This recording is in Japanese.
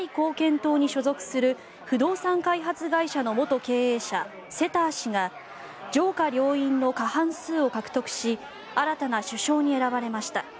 党に所属する不動産開発会社の元経営者セター氏が上下両院の過半数を獲得し新たな首相に選ばれました。